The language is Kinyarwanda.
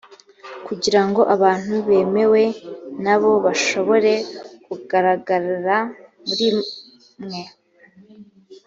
kugira ngo abantu bemewe na bo bashobore kugaragara muri mwe